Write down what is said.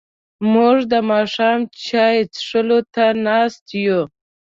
موږ د ماښام چای څښلو ته ناست یو.